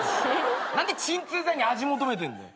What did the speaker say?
何で鎮痛剤に味求めてんだよ。